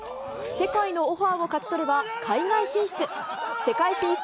世界のオファーを勝ち取れば海外進出。